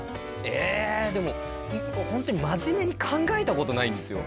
えでもホントに真面目に考えたことないんですよ